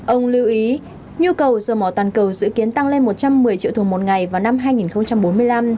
ông lưu ý nhu cầu dầu mỏ toàn cầu dự kiến tăng lên một trăm một mươi triệu thùng một ngày vào năm hai nghìn bốn mươi năm